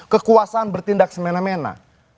kekuasaan bertindak semena mena